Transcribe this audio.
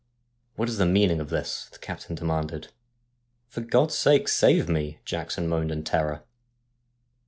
' What is the meaning of this ?' the captain demanded. ' For God's sake save me !' Jackson moaned in terror.